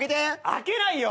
開けないよ。